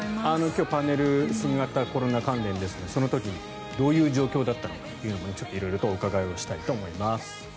今日、パネル新型コロナ関連ですがその時にどういう状況だったのかというのも色々お伺いしたいと思います。